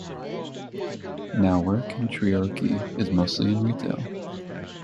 Now work in Treorchy is mostly in retail.